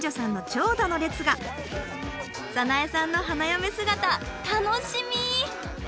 早苗さんの花嫁姿楽しみ！